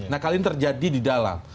nah kali ini terjadi di dalam